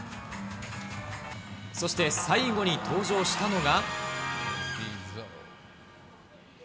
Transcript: そして最後に登場したのが。